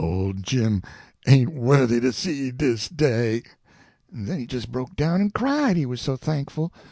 Ole Jim ain't worthy to see dis day!" And then he just broke down and cried, he was so thankful.